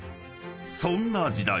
［そんな時代］